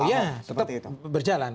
oh iya tetap berjalan